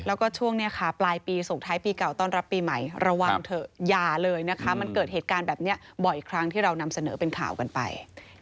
แล้วก็ช่วงนี้ค่ะปลายปีส่งท้ายปีเก่าต้อนรับปีใหม่ระวังเถอะอย่าเลยนะคะมันเกิดเหตุการณ์แบบนี้บ่อยครั้งที่เรานำเสนอเป็นข่าวกันไป